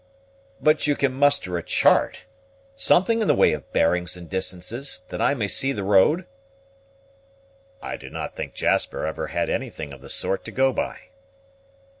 "But you can muster a chart something in the way of bearings and distances, that I may see the road?" "I do not think Jasper ever had anything of the sort to go by."